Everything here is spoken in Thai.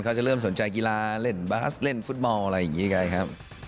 เขาจะเริ่มสนใจกีฬาเล่นบาสเล่นฟุตบอลอะไรอย่างนี้กันครับ